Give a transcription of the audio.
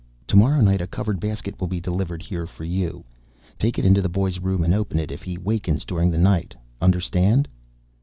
Tomorrow night a covered basket will be delivered here for you. Take it into the boy's room and open it if he wakens during the night. Understand?"